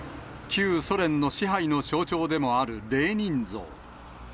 旧ソ連の支配の象徴でもあるレーニン像。